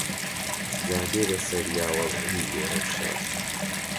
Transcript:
جا دێ بەسەریا وەزعی گۆڕەوشار